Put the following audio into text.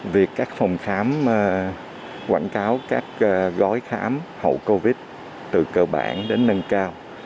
việc các phòng khám quảng cáo các gói khám hậu covid từ cơ bản đến nâng cao